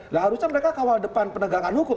nah harusnya mereka kawal depan penegakan hukum